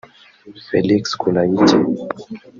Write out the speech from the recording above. Felix Kulayigye